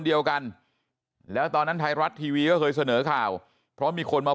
เดียวกันแล้วตอนนั้นไทยรัฐทีวีก็เคยเสนอข่าวเพราะมีคนมา